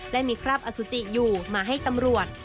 และมีคราบอสุจิอยู่มาให้ตำรวจ